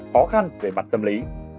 khó khăn về mặt tâm lý